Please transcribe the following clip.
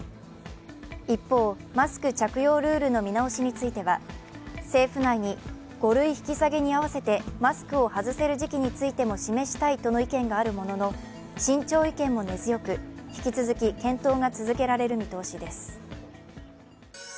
一方、マスク着用ルールの見直しについては政府内に、５類引き下げに合わせてマスクを外せる時期についても示したいとの意見があるものの慎重意見も根強く、引き続き検討が続けられる見通しです。